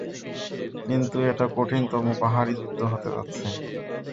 কিন্তু এটা কঠিনতম পাহাড়ি যুদ্ধ হতে যাচ্ছে।